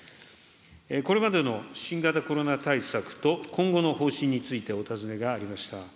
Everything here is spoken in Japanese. これまでの新型コロナ対策と、今後の方針についてお尋ねがありました。